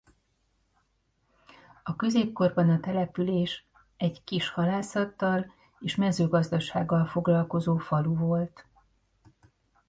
A középkorban a település egy kis halászattal és mezőgazdasággal foglalkozó falu volt.